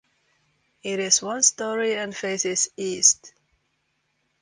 It is one story and faces east.